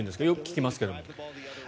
よく聞きますけど。